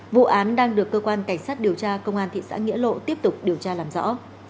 vụ án đang được cơ quan cảnh sát điều tra công an thị xã nghĩa lộ tiếp tục điều tra làm rõ